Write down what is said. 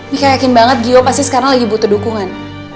mika yakin banget gio pasti sekarang lagi butuh dukungan